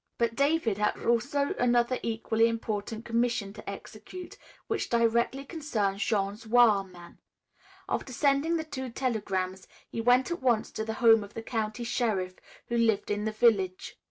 But David had also another equally important commission to execute which directly concerned Jean's "wil' man." After sending the two telegrams he went at once to the home of the county sheriff, who lived in the village.